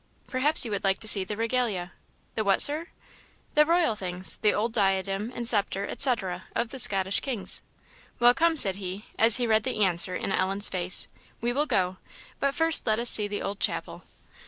"Perhaps you would like to see the regalia." "The what, Sir?" "The royal things, the old diadem and sceptre, &c. of the Scottish kings. Well, come," said he, as he read the answer in Ellen's face, "we will go; but first let us see the old chapel."